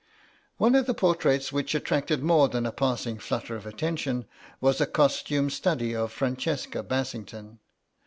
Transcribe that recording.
One of the portraits which attracted more than a passing flutter of attention was a costume study of Francesca Bassington.